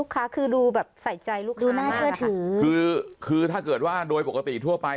คือดูแบบใส่ใจลูกค้ามากค่ะคือถ้าเกิดว่าโดยปกติทั่วไป